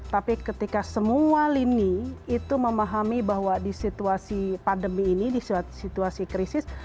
tapi ketika semua lini itu memahami bahwa di situasi pandemi ini di situasi krisis